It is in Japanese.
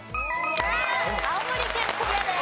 青森県クリアです。